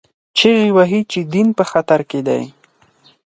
چیغې وهي چې دین په خطر کې دی